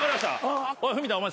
おい文田お前